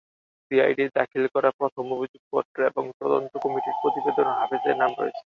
সিআইডির দাখিল করা প্রথম অভিযোগপত্র এবং তদন্ত কমিটির প্রতিবেদনেও হাফিজের নাম রয়েছে।